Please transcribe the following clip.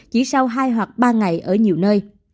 chỉ sau hai hoặc ba ngày ở nhiều nơi